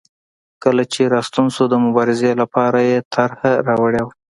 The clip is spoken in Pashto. کله چې راستون شو د مبارزې لپاره یې طرحه راوړې وه.